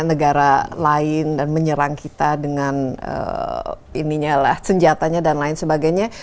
negara lain dan menyerang kita dengan senjatanya dan lain sebagainya